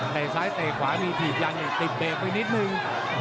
ซ้ายเตะขวามีถีบยันติดเบรกไปนิดนึง